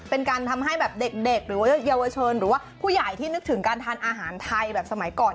เป็นการทำให้แบบเด็กหรือว่าเยาวชนหรือว่าผู้ใหญ่ที่นึกถึงการทานอาหารไทยแบบสมัยก่อน